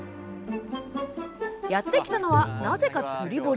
やって来たのは、なぜか釣堀。